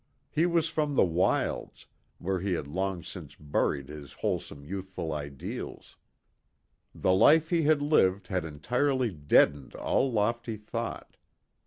He was from the wilds, where he had long since buried his wholesome youthful ideals. The life he had lived had entirely deadened all lofty thought.